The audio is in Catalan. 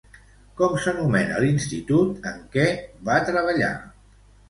Com s'anomena l'institut en què va treballar?